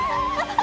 あ！